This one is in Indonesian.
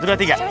oh gitu ya